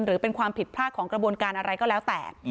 หรือเป็นความผิดพลาดของกระบวนการอะไรก็แล้วแต่